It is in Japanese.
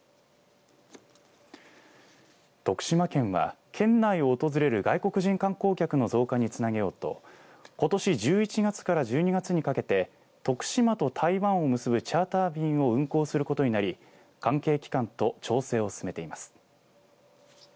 徳島県は県内を訪れる外国人観光客の増加につなげようとことし１１月から１２月にかけて徳島と台湾を結ぶチャーター便を運航することになり関係機関と調整を進めています。